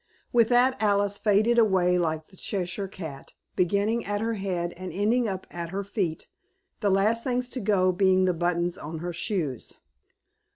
With that Alice faded away like the Cheshire Cat, beginning at her head and ending up at her feet, the last things to go being the buttons on her shoes.